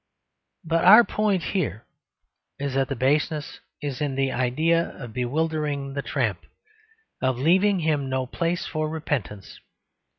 But our point here is that the baseness is in the idea of bewildering the tramp; of leaving him no place for repentance.